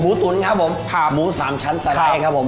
หมูตุ๋นครับผมหมูสามชั้นสลายครับผม